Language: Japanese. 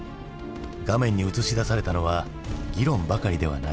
画面に映し出されたのは議論ばかりではない。